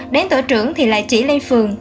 đến tổ trưởng thì lại chỉ lên phường